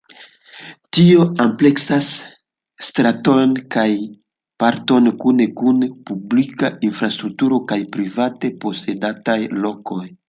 Tio ampleksas stratojn kaj parkojn kune kun publika infrastrukturo kaj private-posedataj lokoj.